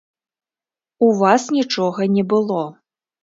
У вас нічога не было.